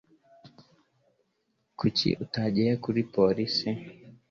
Kuki utagiye kuri polisi